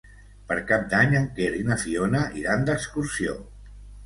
Per Cap d'Any en Quer i na Fiona iran d'excursió.